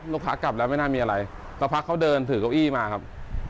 ลูกค้ากลับแล้วไม่น่ามีอะไรก็พักเขาเดินถือก้าวอี้มาครับ